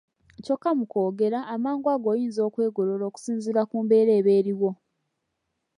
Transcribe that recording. Kyokka mu kwogera, amangu ago oyinza okwegolola okusinziira ku mbeera eba eriwo.